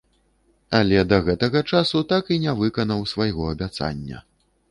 Але да гэтага часу так і не выканаў свайго абяцання.